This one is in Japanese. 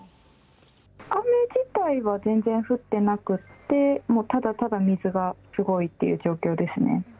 雨自体は全然降ってなくて、もうただただ水がすごいっていう状況ですね。